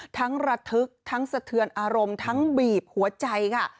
ระทึกทั้งสะเทือนอารมณ์ทั้งบีบหัวใจค่ะ